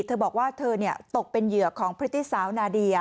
เธอบอกว่าเธอตกเป็นเหยื่อของพฤติสาวนาเดีย